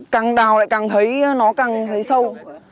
càng đào lại càng thấy nó càng thấy sâu